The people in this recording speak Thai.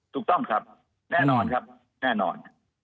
ถูกต้องครับแน่นอนครับแน่นอน